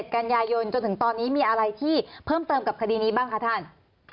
กันยายนจนถึงตอนนี้มีอะไรที่เพิ่มเติมกับคดีนี้บ้างคะท่าน